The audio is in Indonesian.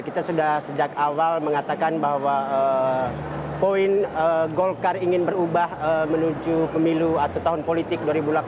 kita sudah sejak awal mengatakan bahwa poin golkar ingin berubah menuju pemilu atau tahun politik dua ribu delapan belas